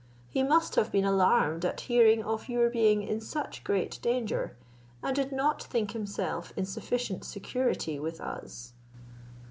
He must have been alarmed at hearing of your being in such great danger, and did not think himself in sufficient security with us."